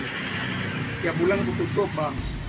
tiap bulan kututup bang